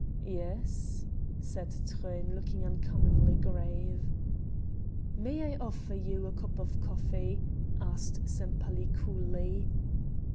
"Yes?" said Truyn looking uncommonly grave. "May I offer you a cup of coffee?" asked Sempaly coolly.